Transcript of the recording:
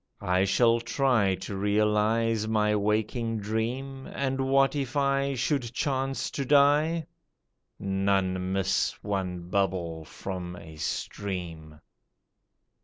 I shall try To realize my waking dream, And what if I should chance to die? None miss one bubble from a stream."